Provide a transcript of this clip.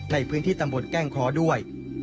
ในพื้นที่ตำบลแก้งเคราะห์ด้วย